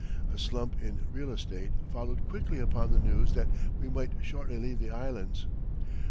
A slump in real estate followed quickly upon the news that we might shortly leave the Islands.